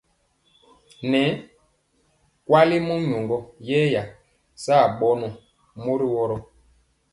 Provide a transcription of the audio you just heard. Nɛ kuali mori yɛya saa bɔnɔ mori woro.